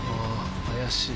怪しい。